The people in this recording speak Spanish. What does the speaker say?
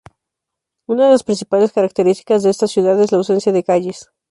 Una de las principales características de esta ciudad es la ausencia de calles.